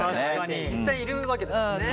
実際いるわけですもんね。